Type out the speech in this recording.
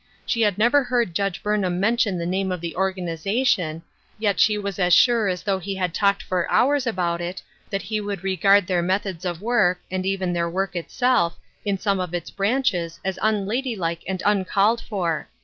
She had never heard Judge Burnham mention the name of the organization, yet she was as sure as though he had talked for hours about it, that he would regard COMING TO AN UNDERSTANDING. 121 their methods of work, and even their work itself, in some of its branches as unladylike and uncalled for.